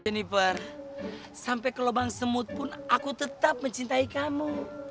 jennifer sampai ke lubang semut pun aku tetap mencintai kamu